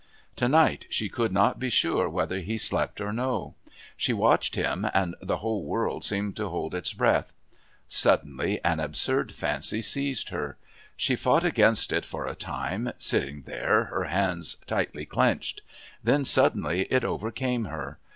To night she could not be sure whether he slept or no. She watched him, and the whole world seemed to hold its breath. Suddenly an absurd fancy seized her. She fought against it for a time, sitting there, her hands tightly clenched. Then suddenly it overcame her.